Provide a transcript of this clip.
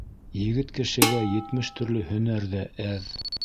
Егет кешегә етмеш төрлө һөнәр ҙә әҙ.